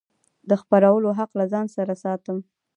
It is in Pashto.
د خپرولو حق له ځان سره ساتم.